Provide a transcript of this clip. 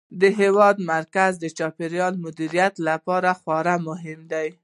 د هېواد مرکز د چاپیریال د مدیریت لپاره خورا مهم دی.